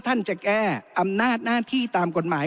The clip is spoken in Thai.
ท่านจะแก้อำนาจหน้าที่ตามกฎหมาย